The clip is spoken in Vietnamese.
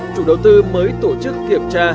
chủ đầu tư mới tổ chức kiểm tra